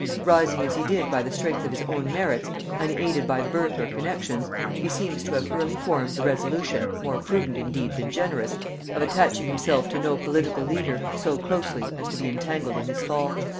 Rising as he did by the strength of his own merits, unaided by birth or connexions, he seems to have early formed the resolution, more prudent indeed than generous, of attaching himself to no political leader, so closely as to be entangled in his fall.